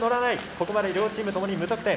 ここまで両チームともに無得点。